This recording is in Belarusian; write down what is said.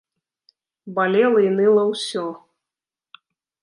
Балела і ныла ўсё.